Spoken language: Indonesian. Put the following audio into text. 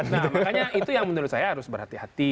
nah makanya itu yang menurut saya harus berhati hati